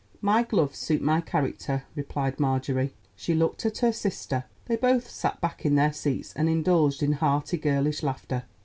"My gloves suit my character," replied Marjorie. She looked at her sister; they both sat back in their seats and indulged in hearty girlish laughter.